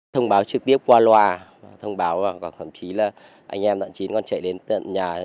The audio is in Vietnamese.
thông báo trực tiếp qua loa thông báo và thậm chí là anh em tận chính còn chạy đến tận nhà